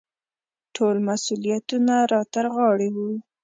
ټول مسوولیتونه را ترغاړې وو.